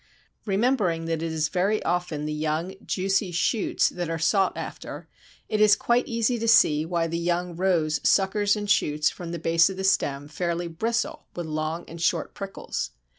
Remembering that it is very often the young juicy shoots that are sought after, it is quite easy to see why the young Rose suckers and shoots from the base of the stem fairly bristle with long and short prickles.